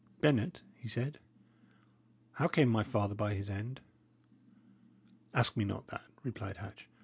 "Bennet," he said, "how came my father by his end?" "Ask me not that," replied Hatch.